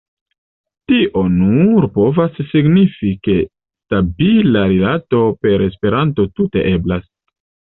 Tio nur povas signifi, ke stabila rilato per Esperanto tute eblas.